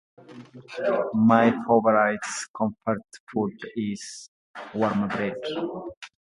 My favorite comfort food is warm bread.